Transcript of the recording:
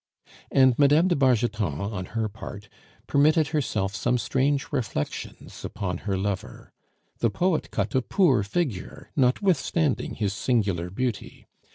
And Mme. de Bargeton, on her part, permitted herself some strange reflections upon her lover. The poet cut a poor figure notwithstanding his singular beauty.